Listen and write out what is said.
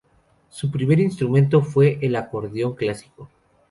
Su primer instrumento fue el acordeón clásico.